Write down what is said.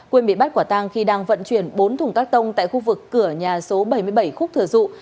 quân bị bắt quả tang khi đang vận chuyển bốn thùng các tông tại khu vực cửa nhà số bảy mươi bảy khúc thừa dụ